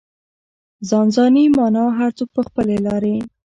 ځان ځاني مانا هر څوک په خپلې لارې.